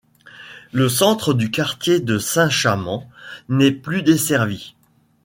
Le centre du quartier de Saint-Chamand n'est plus desservi.